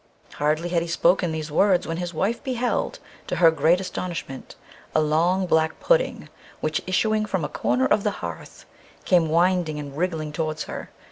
Hardly had he spoken these words when his wife beheld, to her great astonishment, a long black pudding which, issuing from a corner of the hearth, came winding and wriggling towards her.